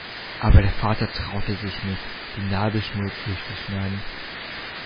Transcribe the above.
Aber der Vater traute sich nicht, die Nabelschnur durchzuschneiden.